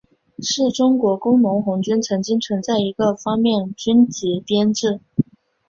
是中国工农红军曾经存在的一个方面军级编制。